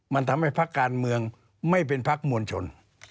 มันทำให้พักการเมืองไม่เป็นพักมวลชน